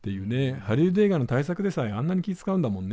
ハリウッド映画の大作でさえあんなに気遣うんだもんね。